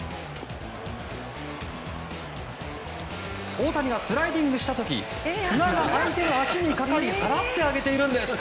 大谷がスライディングした時砂が相手の足にかかり払ってあげているんです。